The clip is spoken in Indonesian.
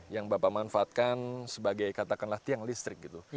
yang bapak manfaatkan sebagai katakanlah tiang listrik gitu